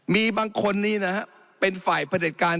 มีบางคนนี้นะครับเป็นฝ่ายผลิตการ